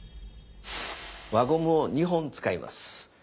輪ゴムを２本使います。